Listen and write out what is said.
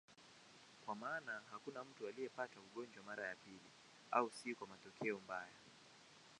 Kwa maana hakuna mtu aliyepata ugonjwa mara ya pili, au si kwa matokeo mbaya.